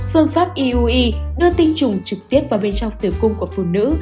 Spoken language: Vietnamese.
phương pháp iuu đưa tinh trùng trực tiếp vào bên trong tử cung của phụ nữ